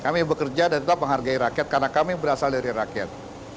kami bekerja dan tetap menghargai rakyat karena kami berasal dari rakyat